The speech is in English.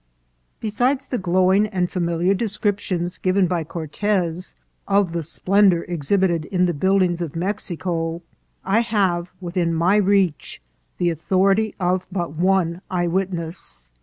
Besides the glowing and familiar descriptions given by Cortez of the splendour exhibited in the buildings of Mexico, I have within my reach the authority of but one eyewitness.